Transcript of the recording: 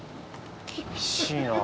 厳しいな。